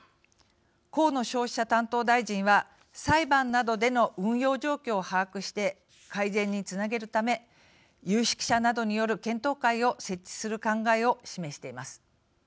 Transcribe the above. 河野消費者担当大臣は裁判などでの運用状況を把握して改善につなげるため有識者などによる検討会を設置する考えを示しています。